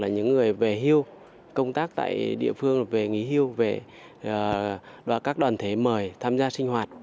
những người về hiu công tác tại địa phương về nghỉ hiu về các đoàn thể mời tham gia sinh hoạt